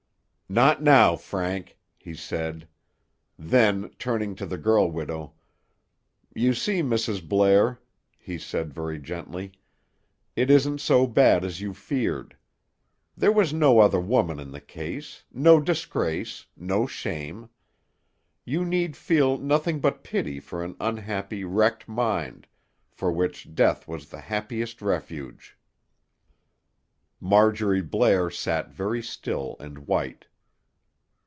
"Not now, Frank," he said. Then, turning to the girl widow, "You see, Mrs. Blair," he said very gently, "it isn't so bad as you feared. There was no other woman in the case, no disgrace, no shame. You need feel nothing but pity for an unhappy wrecked mind, for which death was the happiest refuge." Marjorie Blair sat very still and white.